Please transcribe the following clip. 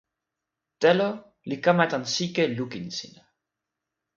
telo li kama tan sike lukin sina.